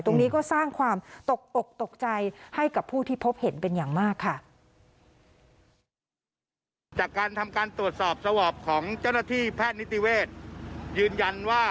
ตรงนี้ก็สร้างความตกอกตกใจให้กับผู้ที่พบเห็นเป็นอย่างมากค่ะ